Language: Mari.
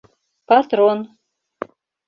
Патрон.